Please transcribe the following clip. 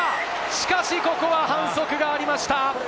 しかしここは反則がありました。